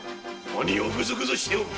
何をグズグズしておる！